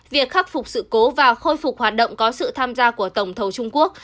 việc khắc phục sự cố và khôi phục hoạt động có sự tham gia của tổng thầu trung quốc